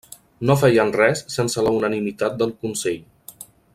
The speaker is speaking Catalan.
No feien res sense la unanimitat del consell.